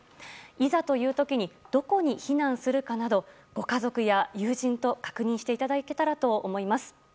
いざという時にどこに避難するかなどご家族や友人と確認していただけたらと思います。